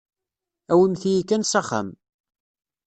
Awimt-iyi kan s axxam.